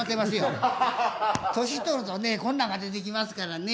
年取るとねこんなんが出てきますからね。